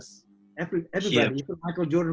semua orang michael jordan